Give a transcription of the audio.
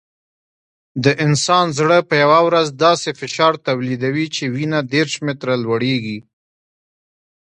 د انسان زړه په یوه ورځ داسې فشار تولیدوي چې وینه دېرش متره لوړېږي.